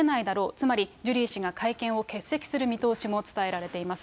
つまり、ジュリー氏が会見を欠席する見通しも伝えられています。